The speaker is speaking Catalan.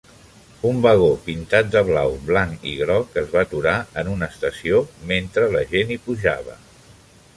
Un vagó pintat de blau, blanc i groc es va aturar en una estació mentre la gent hi pujava.